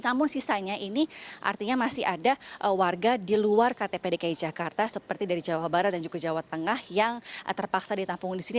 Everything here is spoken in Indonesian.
namun sisanya ini artinya masih ada warga di luar ktp dki jakarta seperti dari jawa barat dan juga jawa tengah yang terpaksa ditampung di sini